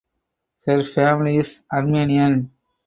Her family is Armenian.